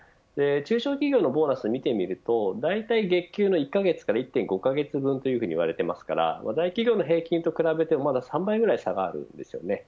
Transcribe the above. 中小企業のボーナスを見てみると、だいたい月給の１カ月から１．５カ月分というふうに言われていますから大企業の平均と比べてもまだ３倍ぐらい差があります。